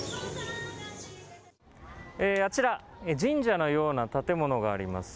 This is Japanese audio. あちら、神社のような建物があります。